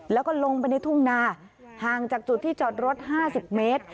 แล้วก็ลงไปในทุ่งนาห่างจากจุดที่จอดรถ๕๐เมตร